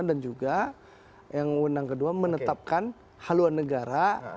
dan juga yang undang kedua menetapkan haluan negara